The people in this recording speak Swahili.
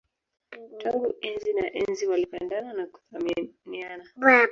Tangu enzi na enzi walipendana na kuthaminiana